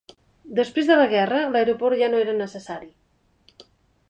Després de la guerra, l'aeroport ja no era necessari.